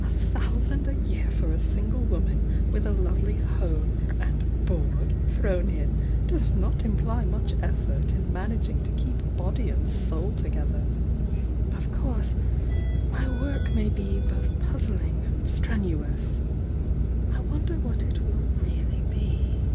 A thousand a year for a single woman, wiUi a lovely home and 'board' thrown in, does not imply much effort in managing to keep body and soul together! Of course my work may be both puzzling and strenuous— I wonder what it will really be?"